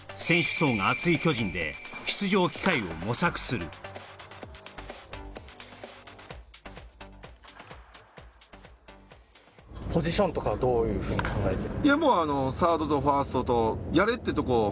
層が厚い巨人で出場機会を模索するポジションとかはどういうふうに考えてる？